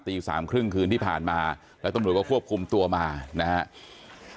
สามครึ่งคืนที่ผ่านมาแล้วตำรวจก็ควบคุมตัวมานะครับ